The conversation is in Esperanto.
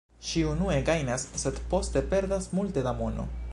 Ŝi unue gajnas, sed poste perdas multe da mono.